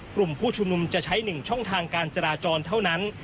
กลุ่มผู้ชุมนุมจะใช้๑ช่องทางการจราจรเท่านั้น